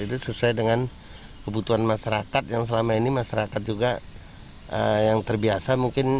itu sesuai dengan kebutuhan masyarakat yang selama ini masyarakat juga yang terbiasa mungkin